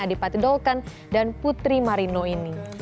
adipati dolkan dan putri marino ini